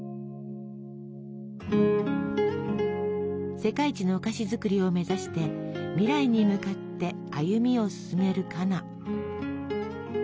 世界一のお菓子作りを目指して未来に向かって歩みを進めるカナ。